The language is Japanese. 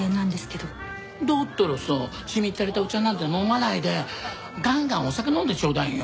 だったらさしみったれたお茶なんて飲まないでガンガンお酒飲んでちょうだいよ。